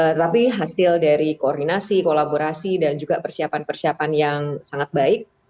tetapi hasil dari koordinasi kolaborasi dan juga persiapan persiapan yang sangat baik